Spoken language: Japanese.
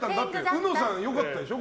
うのさん、良かったでしょ？